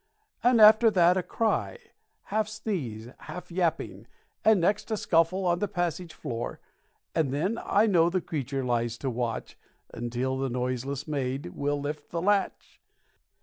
And after that a cry, half sneeze, half yapping, And next a scuffle on the passage floor, And then I know the creature lies to watch Until the noiseless maid will lift the latch.